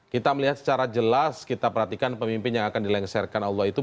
kita melihat secara jelas kita perhatikan pemimpin yang akan dilengsarkan allah itu